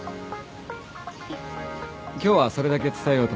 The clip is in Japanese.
今日はそれだけ伝えようと思って。